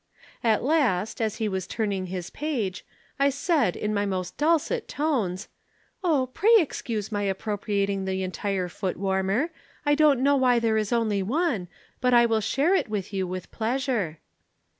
"At last, as he was turning his page, I said in my most dulcet tones: 'Oh, pray excuse my appropriating the entire foot warmer. I don't know why there is only one, but I will share it with you with pleasure.'